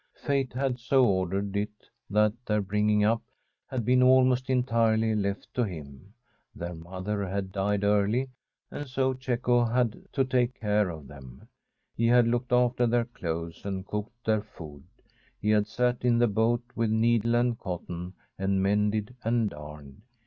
Fate had so ordered it that their bringing up had been almost entirely left to him. Their mother had died early, and so Cecco had to take care of them. He had looked after their clothes and cooked their food; he had sat in the boat with needle and cotton and mended and darned.